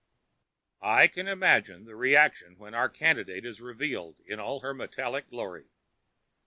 "I can imagine the reaction when our candidate is revealed in all her metallic glory.